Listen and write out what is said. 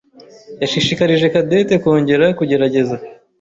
yashishikarije Cadette kongera kugerageza.